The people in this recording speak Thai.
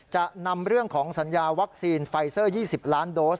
จะนำเรื่องของสัญญาวัคซีนไฟเซอร์๒๐ล้านโดส